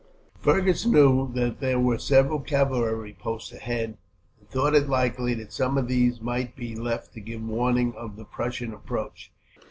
Fergus knew that there were several cavalry posts ahead, and thought it likely that some of these might be left to give warning of the Prussian approach.